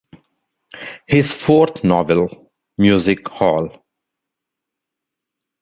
His fourth novel, Music-Hall!